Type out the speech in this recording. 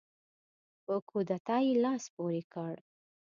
په کودتا یې لاس پورې کړ.